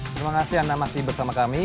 terima kasih anda masih bersama kami